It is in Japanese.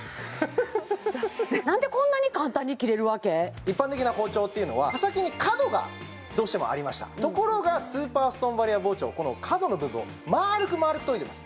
一般的な包丁っていうのは刃先に角がどうしてもありましたところがスーパーストーンバリア包丁この角の部分を丸く丸く研いでます